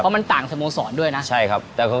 เพราะมันต่างสโมสรด้วยนะ